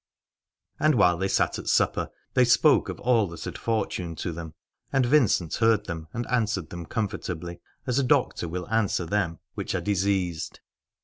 And while they sat at supper they spoke of all that had fortuned to them : and Vincent heard them and answered them comfortably, as a Doctor will answer them which are 158 Al adore diseased.